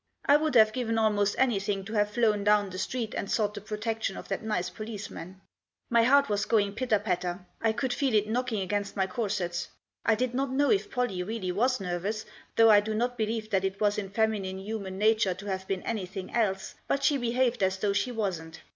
I would have given almost anything to have flown down the street and sought the protection of that nice policeman. My Digitized by 90 THE JOSS. heart was going pitter patter ; I could feel it knocking against my corsets. I did not know if Pollie really was nervous, though I do not believe that it was in feminine human nature to have been anything else ; but she behaved as though she wasn't.